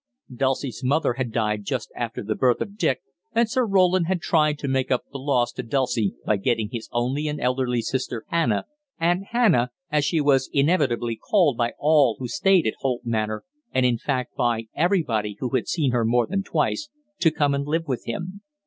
Dulcie's mother had died just after the birth of Dick, and Sir Roland had tried to make up the loss to Dulcie by getting his only and elderly sister Hannah "Aunt Hannah" as she was inevitably called by all who stayed at Holt Manor, and in fact by everybody who had seen her more than twice to come and live with him.